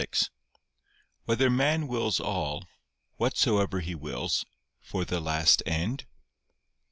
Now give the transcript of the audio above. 6] Whether Man Wills All, Whatsoever He Wills, for the Last End?